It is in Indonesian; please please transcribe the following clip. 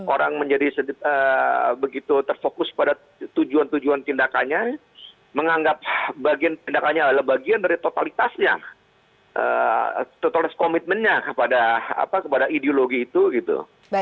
orang menjadi begitu terfokus pada tujuan tujuan tindakannya menganggap bagian dari totalitasnya totalitas komitmennya kepada ideologi itu